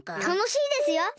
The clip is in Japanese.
たのしいですよ。